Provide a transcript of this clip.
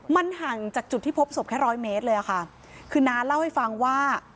มันห่างจากจุดที่พบศพแค่ร้อยเมตรเลยอะค่ะคือน้าเล่าให้ฟังว่า